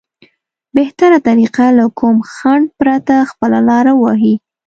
بهتره طريقه له کوم خنډ پرته خپله لاره ووهي.